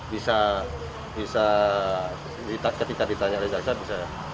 bisa ketika ditanya oleh jaksa bisa